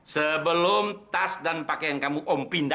sebelum tas dan pakaian kamu om pindah